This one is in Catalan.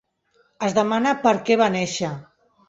Es demana per què va néixer.